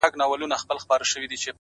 ټول بکواسیات دي؛